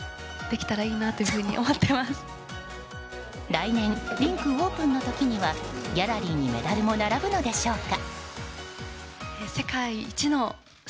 来年、リンクオープンの時にはギャラリーにメダルも並ぶのでしょうか。